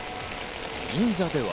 銀座では。